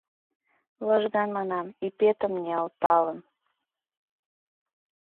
Лыжган манам, ӱпетым ниялталын: